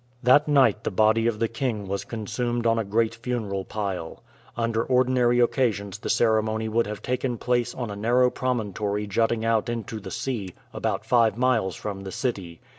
That night the body of the king was consumed on a great funeral pile. Under ordinary occasions the ceremony would have taken place on a narrow promontory jutting out into the sea, about five miles from the city.